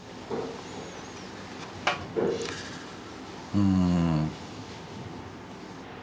うん。